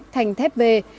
thành thép v